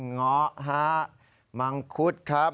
เงาะฮะมังคุดครับ